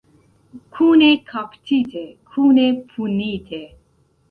Kune kaptite, kune punite.